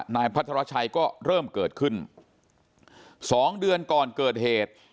นายพัทรชัยก็เริ่มเกิดขึ้นสองเดือนก่อนเกิดเหตุ